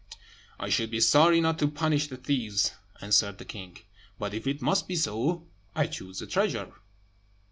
"I should be sorry not to punish the thieves," answered the king; "but if it must be so, I choose the treasure."